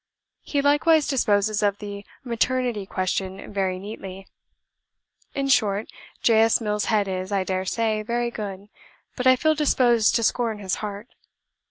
He likewise disposes of the 'maternity' question very neatly. In short, J. S. Mill's head is, I dare say, very good, but I feel disposed to scorn his heart.